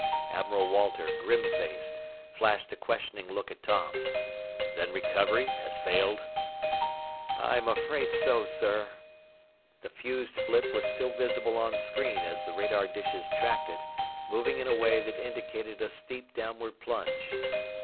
Admiral Walter, grim faced, flashed a questioning look at Tom. "Then recovery has failed?" "I'm afraid so, sir." The fused blip was still visible on screen as the radar dishes tracked it, moving in a way that indicated a steep downward plunge.